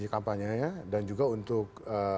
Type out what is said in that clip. kampanye dan juga untuk